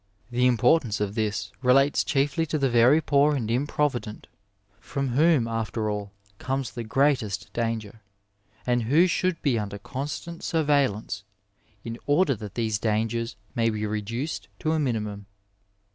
The importance of this relates chiefly to the very poor and improvident, from whom after all, comes the greatest danger, and who should be under constant surveillance in order that these dangers may be reduced to a minimum.